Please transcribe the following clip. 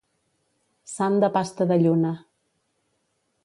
Sant de pasta de lluna.